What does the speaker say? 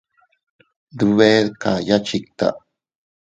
Tndube dkaya chikta.